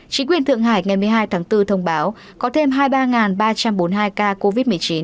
chính quyền thượng hải ngày một mươi hai tháng bốn thông báo có thêm hai mươi ba ba trăm bốn mươi hai ca covid một mươi chín